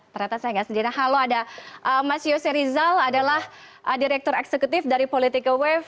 ternyata saya nggak sendiri halo ada mas yose rizal adalah direktur eksekutif dari politika wave